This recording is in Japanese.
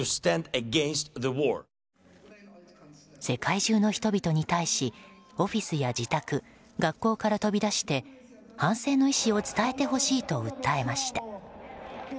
世界中の人々に対しオフィスや自宅学校から飛び出して反戦の意思を伝えてほしいと訴えました。